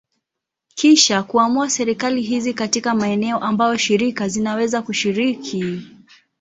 Kisha kuamua serikali hizi katika maeneo ambayo shirika zinaweza kushiriki.